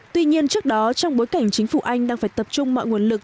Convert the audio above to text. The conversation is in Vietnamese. tuy nhiên trước đó trong bối cảnh chính phủ anh đang phải tập trung mọi nguồn lực